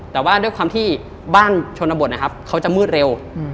แต่ว่าด้วยความที่บ้านชนบทนะครับเขาจะมืดเร็ว